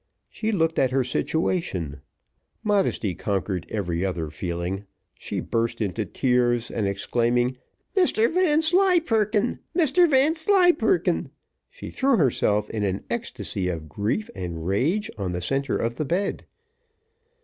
She looked at her situation modesty conquered every other feeling she burst into tears, and exclaiming, "Mr Vanslyperken! Mr Vanslyperken!" she threw herself in an ecstasy of grief and rage on the centre of the bed.